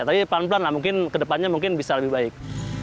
tapi pelan pelan lah mungkin kedepannya mungkin bisa lebih baik